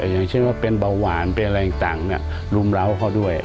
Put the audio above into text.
อย่างเช่นว่าเป็นเบาหวานเป็นอะไรต่างรุมร้าวเขาด้วย